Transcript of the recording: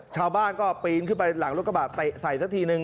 ชาวบ้านก็ปีนขึ้นไปหลังรถกระบะเตะใส่สักทีนึง